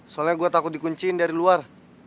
soalnya gue takut dikuncin dari luar